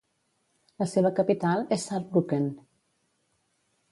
La seva capital és Saarbrücken.